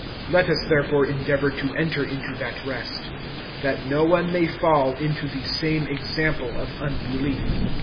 (11)Let us therefore endeavor to enter into that rest, that no one may fall into the same example of unbelief.